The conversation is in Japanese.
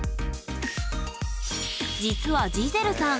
実はジゼルさん